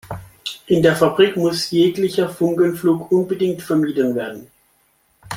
In der Fabrik muss jeglicher Funkenflug unbedingt vermieden werden.